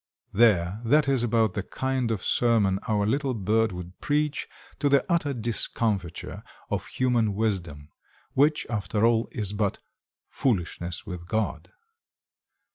There, that is about the kind of sermon our little bird would preach to the utter discomfiture of human wisdom, which, after all, is but "foolishness with God."